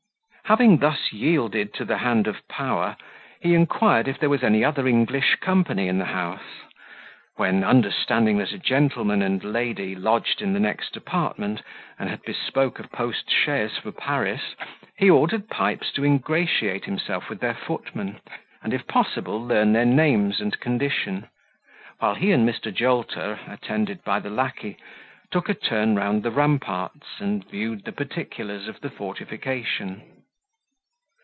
Having thus yielded to the hand of power, he inquired if there was any other English company in the house; when, understanding that a gentleman and lady lodged in the next apartment, and had bespoke a post chaise for Paris, he ordered Pipes to ingratiate himself with their footman, and, if possible, learn their names and condition, while he and Mr. Jolter, attended by the lacquey, took a turn round the ramparts, and viewed the particulars of the fortification.